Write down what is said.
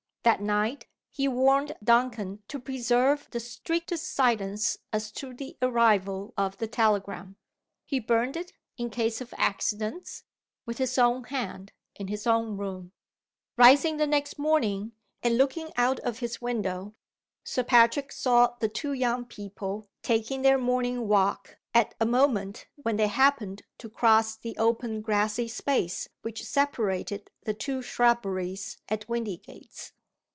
That night he warned Duncan to preserve the strictest silence as to the arrival of the telegram. He burned it, in case of accidents, with his own hand, in his own room. Rising the next day and looking out of his window, Sir Patrick saw the two young people taking their morning walk at a moment when they happened to cross the open grassy space which separated the two shrubberies at Windygates.